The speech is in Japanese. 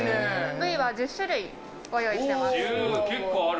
部位は１０種類ご用意してい結構ある。